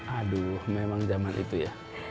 aduh memang zaman itu ya